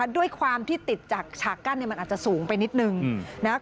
ด้วยความที่ติดจากฉากกั้นมันอาจจะสูงไปนิดนึงนะครับ